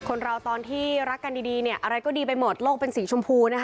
คนเราตอนที่รักกันดีเนี่ยอะไรก็ดีไปหมดโลกเป็นสีชมพูนะคะ